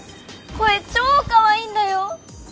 声ちょかわいいんだよ！